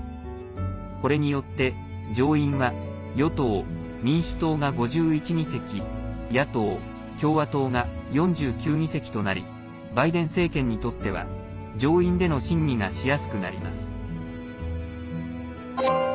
これによって上院は与党・民主党が５１議席野党・共和党が４９議席となりバイデン政権にとっては上院での審議がしやすくなります。